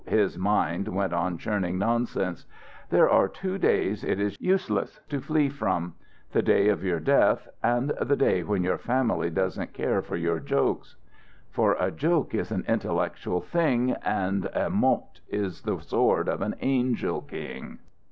His mind went on churning nonsense. "There are two days it is useless to flee from the day of your death and the day when your family doesn't care for your jokes. "For a joke is an intellectual thing, And a mot is the sword of an angel king.